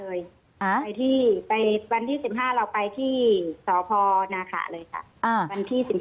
ไปที่วันที่๑๕เราไปที่สพนคเลยค่ะ